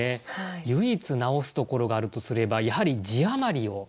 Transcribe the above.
唯一直すところがあるとすればやはり字余りを。